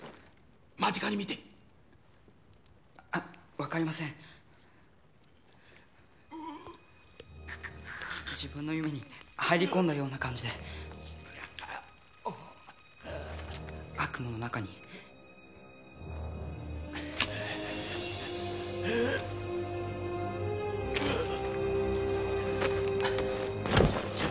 間近に見てあ分かりませんううっくっ自分の夢に入り込んだような感じでああ悪夢の中にああっ！